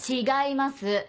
違います。